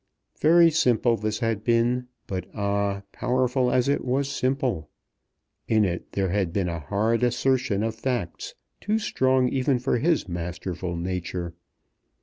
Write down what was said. Very simple, this had been; but, ah, powerful as it was simple! In it there had been a hard assertion of facts too strong even for his masterful nature.